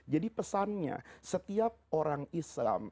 jadi pesannya setiap orang islam